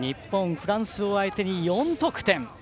フランスを相手に４得点。